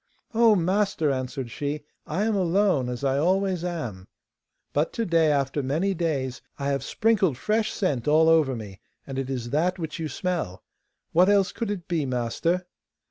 'Oh, master!' answered she, 'I am alone, as I always am! But to day, after many days, I have sprinkled fresh scent all over me, and it is that which you smell. What else could it be, master?